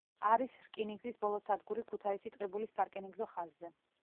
არის რკინიგზის ბოლო სადგური ქუთაისი-ტყიბულის სარკინიგზო ხაზზე.